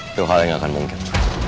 itu hal yang akan mungkin